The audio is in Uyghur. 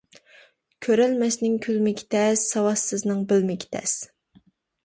كۆرەلمەسنىڭ كۈلمىكى تەس، ساۋاتسىزنىڭ بىلمىكى تەس.